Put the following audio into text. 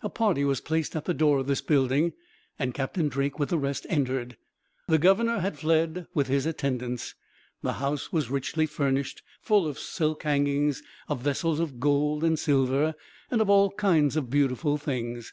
A party were placed at the door of this building, and Captain Drake, with the rest, entered. The governor had fled, with his attendants. The house was richly furnished; full of silk hangings, of vessels of gold and silver, and of all kinds of beautiful things.